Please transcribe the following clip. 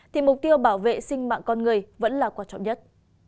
thì mục tiêu bảo vệ sinh mạng con người vẫn là quan trọng nhất